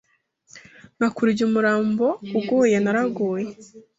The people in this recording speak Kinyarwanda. Nka kurya umurambo uguye naraguye